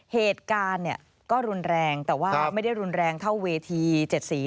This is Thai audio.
เหตุการณ์เนี่ยก็รุนแรงแต่ว่าไม่ได้รุนแรงเท่าเวที๗สี